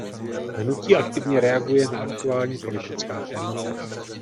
Hnutí aktivně reaguje na aktuální politická témata.